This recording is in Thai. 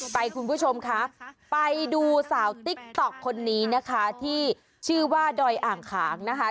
คุณผู้ชมค่ะไปดูสาวติ๊กต๊อกคนนี้นะคะที่ชื่อว่าดอยอ่างขางนะคะ